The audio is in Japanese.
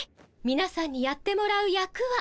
みなさんにやってもらう役は。